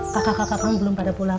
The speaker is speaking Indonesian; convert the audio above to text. kakak kakak kami belum pada pulang